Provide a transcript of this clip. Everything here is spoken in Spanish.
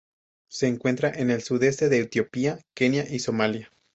Se encuentra en el sudeste de Etiopía, Kenia y Somalia.